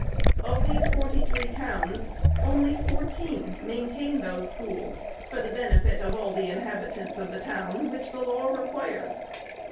Of these forty three towns, only fourteen maintain those schools " for the benefit of all the inhabitants of the town," which the law requires.